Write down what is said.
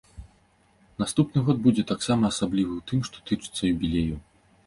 Наступны год будзе таксама асаблівы ў тым, што тычыцца юбілеяў.